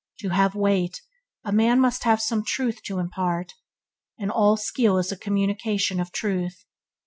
To have weight, a man must have some truth to impart, and all skill is a communication of truth.